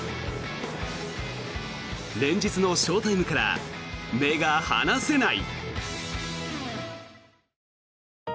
連日のショータイムから目が離せない。